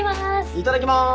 いただきます！